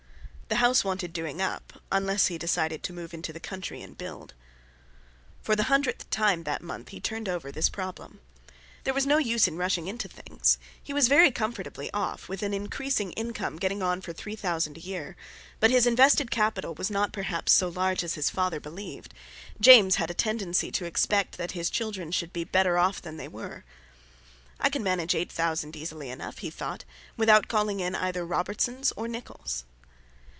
The house wanted doing, up, unless he decided to move into the country, and build. For the hundredth time that month he turned over this problem. There was no use in rushing into things! He was very comfortably off, with an increasing income getting on for three thousand a year; but his invested capital was not perhaps so large as his father believed—James had a tendency to expect that his children should be better off than they were. "I can manage eight thousand easily enough," he thought, "without calling in either Robertson's or Nicholl's."